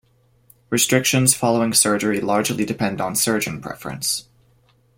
Restrictions following surgery largely depend on surgeon preference.